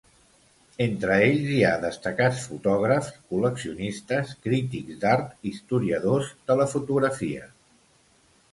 Entre ells hi ha destacats fotògrafs, col·leccionistes, crítics d’art, historiadors de la fotografia.